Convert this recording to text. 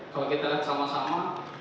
kalau kita lihat sama sama